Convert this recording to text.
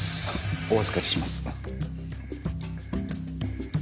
お預かりします。